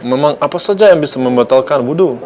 memang apa saja yang bisa membatalkan wudhu